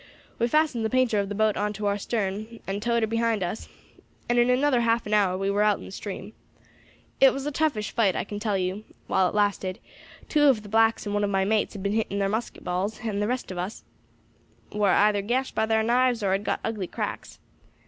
We fastened the painter of the boat on to our stern, and towed her behind us, and in another half an hour were out in the stream. It was a toughish fight, I can tell you, while it lasted; two of the blacks and one of my mates had been hit by thar musket balls, and the rest of us war either gashed by thar knives or had got ugly cracks.